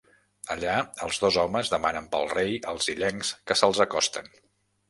Allà, els dos homes demanen pel rei als illencs que se'ls acosten.